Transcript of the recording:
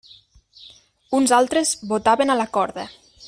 Uns altres botaven a la corda.